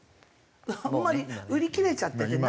あんまり売り切れちゃっててないんですよ。